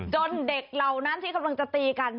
เด็กเหล่านั้นที่กำลังจะตีกัน